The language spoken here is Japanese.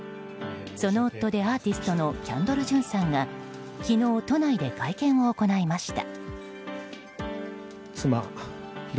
その夫でアーティストのキャンドル・ジュンさんが昨日、都内で会見を行いました。